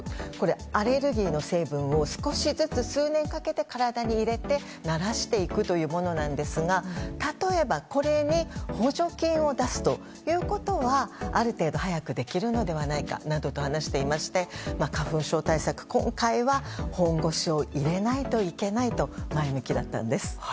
アレルギーの成分を少しずつ数年かけて体に入れて慣らしていくというものなんですが例えば、これに補助金を出すということはある程度早くできるのではないかなどと話していまして花粉症対策、今回は本腰を入れないといけないと前向きだったんです。